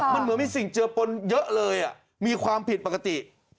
มันเหมือนมีสิ่งเจอปนเยอะเลยมีความผิดปกติ